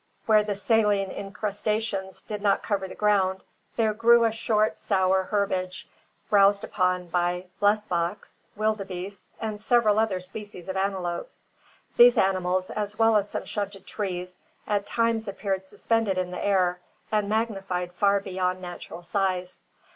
Where the saline incrustations did not cover the ground, there grew a short, sour herbage, browsed upon by blesboks, wilde beests, and several other species of antelopes. These animals, as well as some stunted trees, at times appeared suspended in the air, and magnified far beyond natural size.